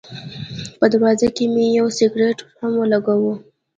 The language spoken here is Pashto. په دروازه کې مې یو سګرټ هم ولګاوه.